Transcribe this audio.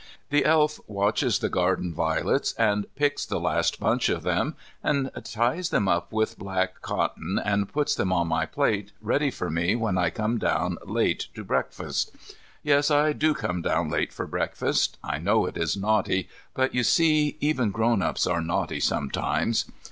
The Elf watches the garden violets and picks the last bunch of them, and ties them up with black cotton and puts them on my plate ready for me when I come down late to breakfast. Yes, I do come down late for breakfast. I know it is naughty, but you see even grown ups are naughty sometimes.